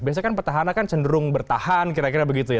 biasanya kan petahana kan cenderung bertahan kira kira begitu ya